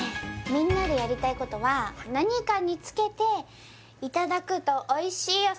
みんなでやりたいことは何かにつけていただくとおいしいよ